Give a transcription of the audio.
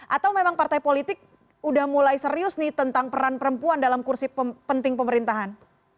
atau memang partai politik udah mulai serius nih tentang peran perempuan dalam kursi penting pemerintahan